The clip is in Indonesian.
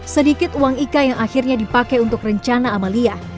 sedikit uang ika yang akhirnya dipakai untuk rencana amalia